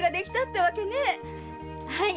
はい。